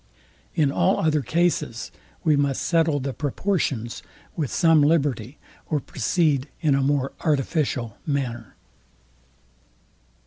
In all other cases we must settle the proportions with some liberty, or proceed in a more artificial manner.